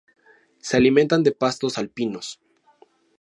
Se alimentan de pastos alpinos.